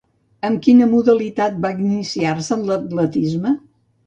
Amb quina modalitat va iniciar-se en l'atletisme?